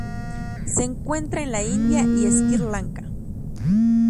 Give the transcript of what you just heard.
Se encuentra en la India y Sri Lanka